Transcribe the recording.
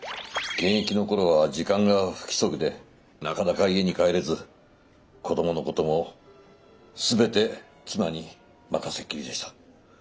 現役の頃は時間が不規則でなかなか家に帰れず子どものことも全て妻に任せっきりでした。